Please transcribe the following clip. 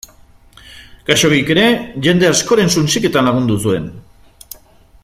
Khaxoggik ere jende askoren suntsiketan lagundu zuen.